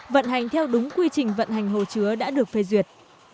vận hành theo đúng quy trình vận hành hồ chứa đã được phê duyệt